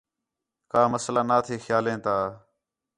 کا مسئلہ نا تھے خیالیں تا